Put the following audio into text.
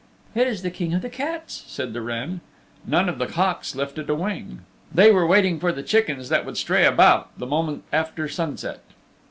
"It is the King of the Cats," said the wren. None of the hawks lifted a wing. They were waiting for the chickens that would stray about the moment after sunset.